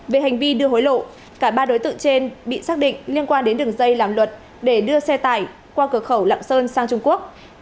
về hành vi đưa hối lộ cả ba đối tượng trên bị xác định liên quan đến đường dây làm luật để đưa xe tải qua cửa khẩu lạng sơn sang trung quốc